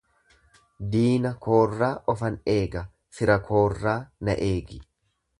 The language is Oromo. Diina koorraa ofan eega, fira koorraa na eegi.